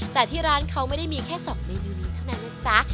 แต่ที่ร้านเขาไม่ได้มีแค่๒เมนูนี้เท่านั้นนะจ๊ะ